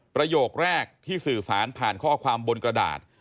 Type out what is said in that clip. ประโยคแรกที่สื่อสารผ่านข้อความบนกระดาษ